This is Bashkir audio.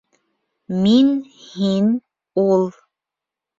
Мин, һин, ул